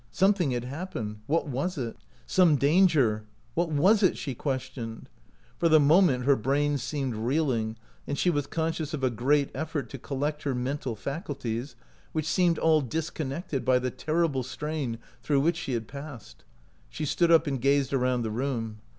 Something had happened — what was it? Some danger — what was it? she questioned. For the moment her brain seemed reeling, and she was conscious of a great effort to collect her mental faculties, which seemed all discon nected by the terrible strain through which she had passed. She stood up and gazed around the room.